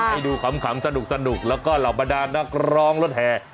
ให้ดูขำสนุกแล้วก็เหล่าบรรดานนักร้องรถแห่